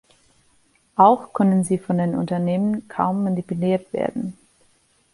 Auch können sie von den Unternehmen kaum manipuliert werden.